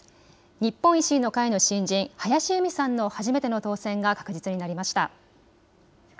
日本維新の会の新人、林佑美さんの初めての当選が確実になりました。